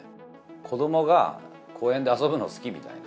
子どもが公園で遊ぶの好きみたいな。